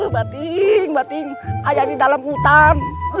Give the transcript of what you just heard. batin batin ayah di dalam hutan